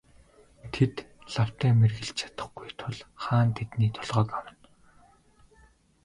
Тэд лавтай мэргэлж чадахгүй тул хаан тэдний толгойг авна.